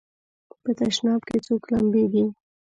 په تشناب کې څوک لمبېږي؟